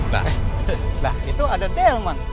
nah itu ada delman